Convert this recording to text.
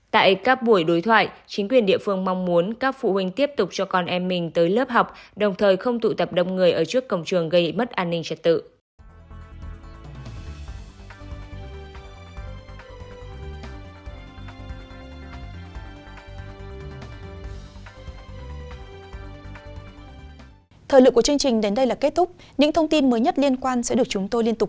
tại các buổi đối thoại chính quyền địa phương mong muốn các phụ huynh tiếp tục cho con em mình tới lớp học đồng thời không tụ tập đông người ở trước cổng trường gây mất an ninh trật tự